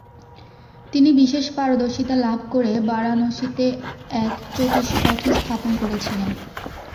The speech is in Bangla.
তিনি বিশেষ পারদর্শিতা লাভ করে বারাণসীতে এক চতুষ্পাঠী স্থাপন করেছিলেন।